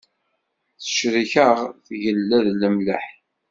Tecrek-aɣ tgella d lemleḥ.